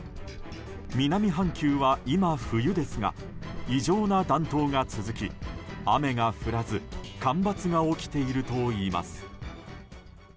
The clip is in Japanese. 南半球は今、冬ですが異常な暖冬が続き雨が降らず干ばつが起きているといいます。